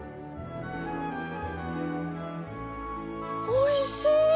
おいしい！